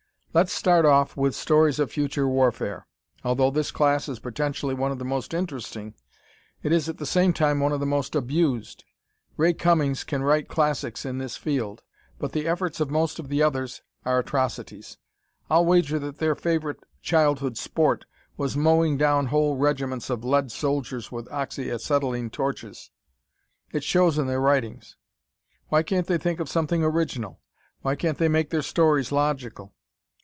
Let's start of with stories of future warfare. Although this class is potentially one of the most interesting, it is at the same time one of the most abused. Ray Cummings can write classics in this field, but the efforts of most the others are atrocities. I'll wager that their favorite childhood sport was mowing down whole regiments of lead soldiers with oxy acetylene torches. It shows in their writings. Why can't they think of something original? Why can't they make their stories logical?